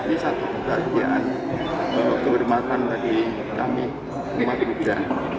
ini satu keberhatian kebermatan bagi kami umat buddha